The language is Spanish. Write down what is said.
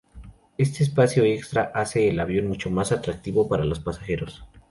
Este espacio extra hace el avión mucho más atractivo para los pasajeros.